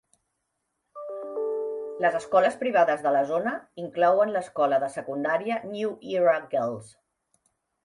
Les escoles privades de la zona inclouen l'escola de secundària New Era Girls.